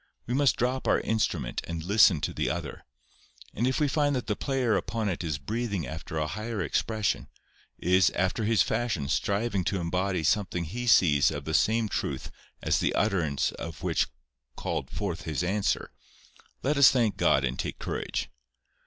We must drop our instrument and listen to the other, and if we find that the player upon it is breathing after a higher expression, is, after his fashion, striving to embody something he sees of the same truth the utterance of which called forth this his answer, let us thank God and take courage.